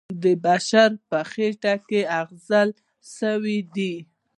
د بشر په خټه کې اغږل سوی دی.